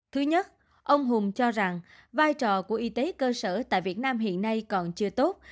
thứ nhất ông hùng cho rằng vai trò của y tế cơ sở tại việt nam hiện nay còn chưa tốt